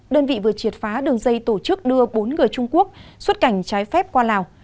đơn vị vừa triệt phá đường dây tổ chức đưa bốn người trung quốc xuất cảnh trái phép qua lào